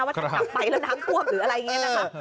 ท่านกลับไปแล้วน้ำท่วมหรืออะไรอย่างนี้นะคะ